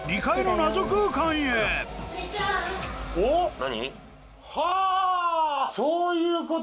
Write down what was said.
何？